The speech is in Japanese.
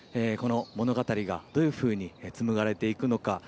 この物語が、どういうふうにつむがれていくのか